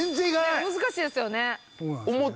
難しいですよね。